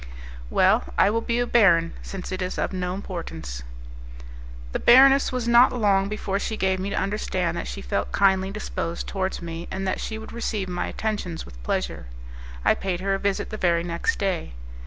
"Well, I will be a baron, since it is of no importance." The baroness was not long before she gave me to understand that she felt kindly disposed towards me, and that she would receive my attentions with pleasure; I paid her a visit the very next day.